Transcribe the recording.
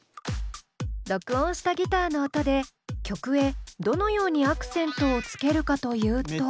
録音したギターの音で曲へどのようにアクセントをつけるかというと。